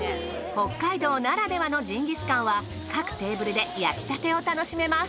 北海道ならではのジンギスカンは各テーブルで焼きたてを楽しめます。